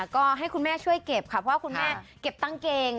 ก็ให้คุณแม่ช่วยเก็บค่ะเพราะว่าคุณแม่เก็บตั้งเกง